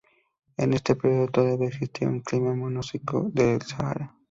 En este período, todavía existía un clima monzónico en el Sahara.